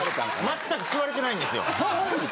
全く吸われてないんですよ。